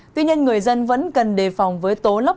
tuy nhiên người dân vẫn cần đề phòng với tố lốc